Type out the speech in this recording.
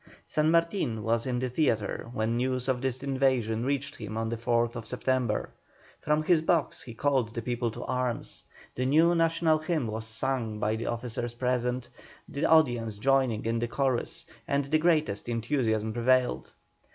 San Martin was in the theatre when news of this invasion reached him on the 4th September. From his box he called the people to arms; the new national hymn was sung by the officers present, the audience joining in the chorus, and the greatest enthusiasm prevailed.